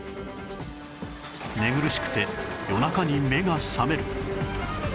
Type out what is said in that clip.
寝苦しくて夜中に目が覚める